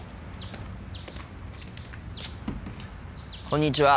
こんにちは。